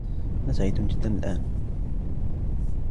أنا سعيد جداً الآن.